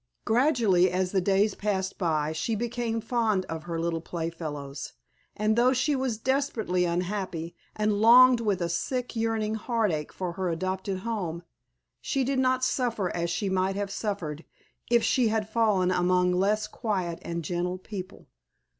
Gradually as the days passed by she became fond of her little playfellows, and though she was desperately unhappy, and longed with a sick, yearning heartache for her adopted home, she did not suffer as she might have suffered if she had fallen among less quiet and gentle people.